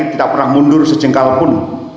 tidak pernah mundur sejengkal pun